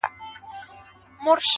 د سر په سترگو چي هغه وينمه